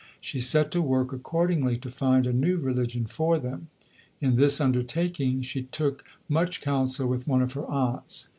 " She set to work, accordingly, to find a new religion for them. In this undertaking she took much counsel with one of her aunts.